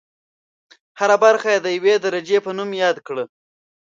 هره برخه یې د یوې درجې په نوم یاده کړه.